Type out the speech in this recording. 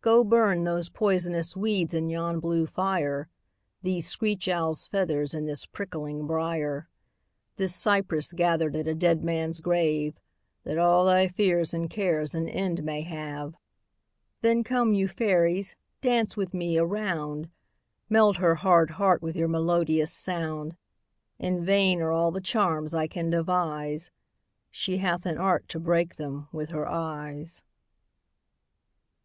Go burn those poisonous weeds in yon blue fire, These screech owl's feathers and this prickling briar, This cypress gathered at a dead man's grave, That all thy fears and cares an end may have. Then come, you fairies, dance with me a round; Melt her hard heart with your melodious sound. In vain are all the charms I can devise; She hath an art to break them with her eyes.